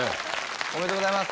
おめでとうございます。